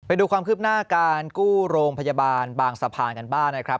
ไปดูความคืบหน้าการกู้โรงพยาบาลบางสะพานกันบ้างนะครับ